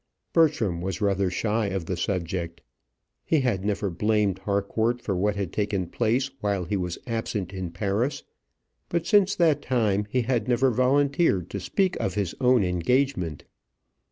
Bertram was rather shy of the subject. He had never blamed Harcourt for what had taken place while he was absent in Paris, but since that time he had never volunteered to speak of his own engagement.